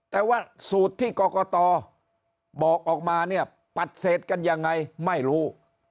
แต่ว่าสูตรที่กรกตบอกออกมาเนี่ยปัดเศษกันยังไงไม่รู้